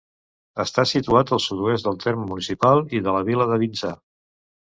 Està situat al sud-oest del terme municipal i de la vila de Vinçà.